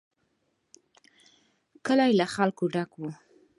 کلی له خلکو ډک و.